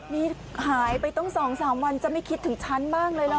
นี่หายไปตั้ง๒๓วันจะไม่คิดถึงฉันบ้างเลยเหรอ